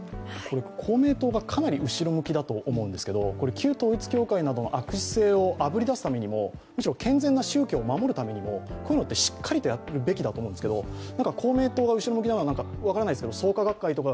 公明党がかなり後ろ向きだと思うんですけど旧統一教会などの悪質性をあぶり出すためにも、むしろ健全な宗教を守るためにも、こういうものをしっかりやるべきなんですがなんか公明党が後ろ向きなのが分からないんですけど創価学会とか、